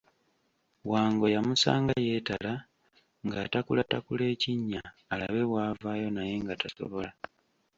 Wango yamusanga yeetala ng'atakulatakula ekinnya alabe bw'avaayo naye nga tasobola.